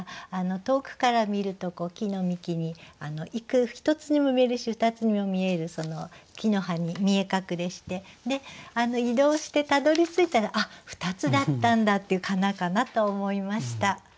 遠くから見ると木の幹に１つにも見えるし２つにも見えるその木の葉に見え隠れして移動してたどりついたらあっ２つだったんだっていう「かな」かなと思いました。